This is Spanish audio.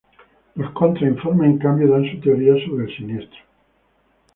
Los contra informes en cambio dan su teoría sobre el siniestro.